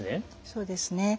そうですね。